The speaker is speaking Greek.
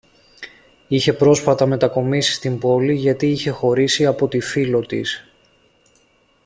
είχε πρόσφατα μετακομίσει στην πόλη γιατί είχε χωρίσει από τη φίλο της